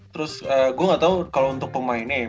terus gue gak tau kalau untuk pemainnya